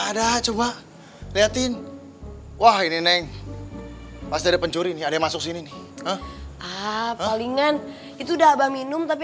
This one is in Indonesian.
ada coba lihatin wah ini neng masih ada pencuri ada masuk sini ah palingan itu udah minum tapi